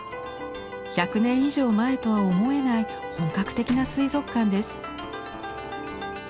１００年以上前とは思えない本格的な水族館です。